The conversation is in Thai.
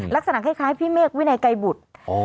ลักษณะคล้ายพี่เมฆวินัยไกรบุตร